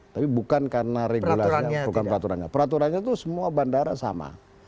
tapi bukan karena regulasinya bukan peraturannya peraturannya itu semua bandara sama